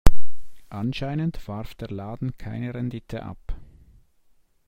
Anscheinend warf der Laden keine Rendite ab.